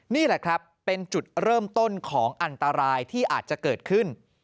นี่แหละครับเป็นจุดเริ่มต้นของอันตรายที่อาจจะเกิดขึ้น